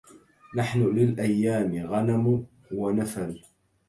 نحن للأيام غنم ونفل